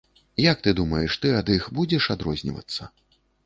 Як ты думаеш, ты ад іх будзеш адрознівацца?